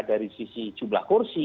dari sisi jumlah kursi